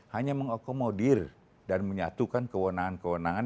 hanya mengakomodir dan menyatukan kewenangan kewenangan